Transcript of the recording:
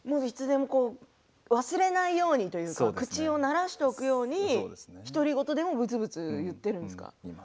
忘れないようにというか口をならしておくように独り言でもぶつぶつ言っているんですか。